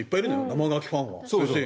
生ガキファンは。